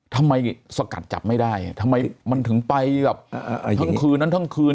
สกัดจับไม่ได้ทำไมมันถึงไปแบบทั้งคืนนั้นทั้งคืน